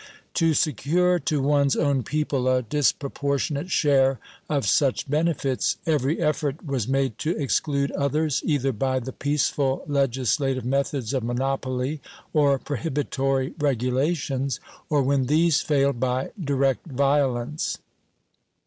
To secure to one's own people a disproportionate share of such benefits, every effort was made to exclude others, either by the peaceful legislative methods of monopoly or prohibitory regulations, or, when these failed, by direct violence.